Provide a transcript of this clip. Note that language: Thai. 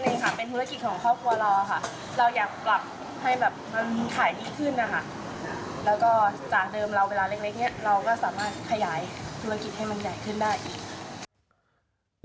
แล้วก็จากเดิมเราเวลาเล็กเนี่ยเราก็สามารถขยายธุรกิจให้มันใหญ่ขึ้นได้อีก